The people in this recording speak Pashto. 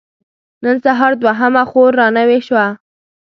نن سهار دوهمه خور را نوې شوه.